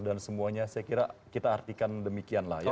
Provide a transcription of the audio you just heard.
dan semuanya saya kira kita artikan demikian lah ya